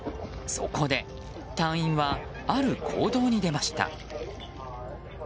そこで隊員はある行動に出ました。